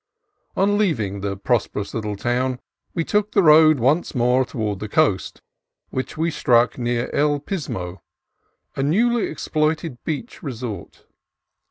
On leaving the prosperous little town we took the road once more toward the coast, which we struck near El Pizmo, a newly exploited beach re SAN LUIS OBISPO BAY 143 sort.